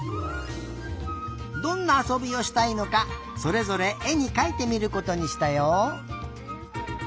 どんなあそびをしたいのかそれぞれえにかいてみることにしたよ。